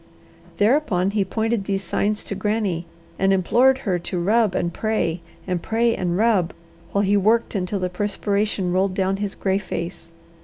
Thereupon he pointed these signs to Granny, and implored her to rub and pray, and pray and rub, while he worked until the perspiration rolled down his gray face.